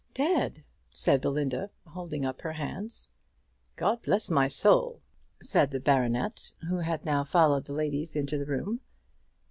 "Dead!" said Belinda, holding up her hands. "God bless my soul!" said the baronet, who had now followed the ladies into the room.